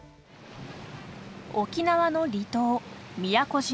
沖縄の離島宮古島。